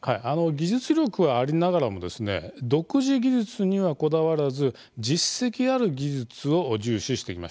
技術力はありながらも独自技術には、こだわらず実績ある技術を重視していました。